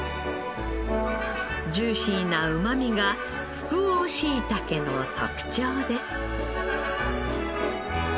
ジューシーなうまみが福王しいたけの特長です。